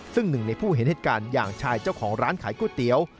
ซึ่งหนึ่งในผู้เห็นเหตุการณ์อย่างชายเจ้าของร้านขายก๋วยเตี๋ยว